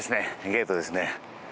ゲートですね。